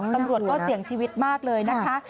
ตำรวจก็เสี่ยงชีวิตมากเลยนะคะ